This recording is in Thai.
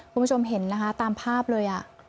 คุณผู้ชมเห็นนะคะตามภาพเลย